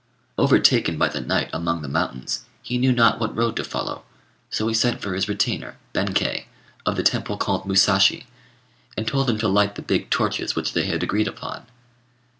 Overtaken by the night among the mountains, he knew not what road to follow; so he sent for his retainer, Benkei, of the Temple called Musashi, and told him to light the big torches which they had agreed upon.